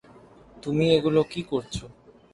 তুমি এগুলা কি করছো?